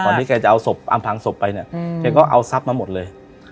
ที่แกจะเอาศพอำพังศพไปเนี่ยแกก็เอาทรัพย์มาหมดเลย